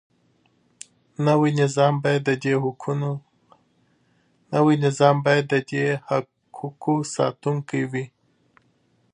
نوی نظام باید د دې حقوقو ساتونکی وي.